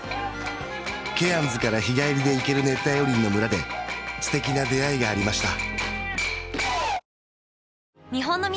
ケアンズから日帰りで行ける熱帯雨林の村で素敵な出会いがありました